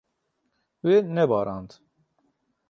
Wê nebarand.